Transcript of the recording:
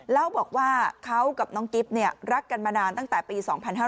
เล่าบอกว่าเขากับน้องกิ๊บรักกันมานานตั้งแต่ปี๒๕๕๙